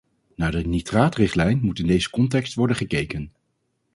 Naar de nitraatrichtlijn moet in deze context worden gekeken.